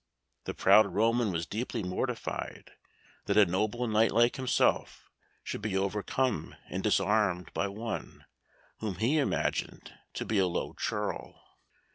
The proud Roman was deeply mortified that a noble knight like himself should be overcome and disarmed by one whom he imagined to be a low churl.